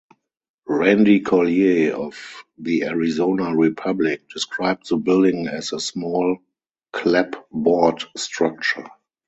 Randy Collier of "The Arizona Republic" described the building as "a small clapboard structure".